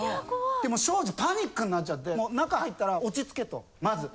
でも庄司パニックになっちゃって中入ったら落ち着けとまず。